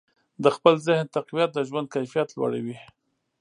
د خپل ذهن تقویت د ژوند کیفیت لوړوي.